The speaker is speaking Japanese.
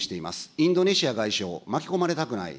インドネシア外相、巻き込まれたくない。